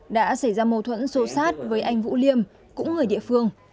đã xảy ra mâu thuẫn xô xát với anh vũ liêm cũng người địa phương